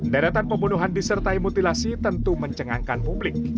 deretan pembunuhan disertai mutilasi tentu mencengangkan publik